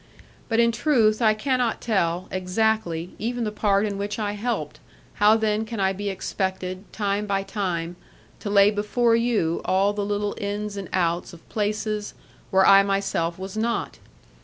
But in truth, I cannot tell, exactly, even the part in which I helped, how then can I be expected, time by time, to lay before you, all the little ins and outs of places, where I myself was not?